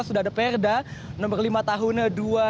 sudah ada perda nomor lima tahunnya dua ribu empat belas